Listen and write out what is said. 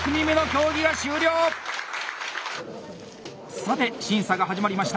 さて審査が始まりました。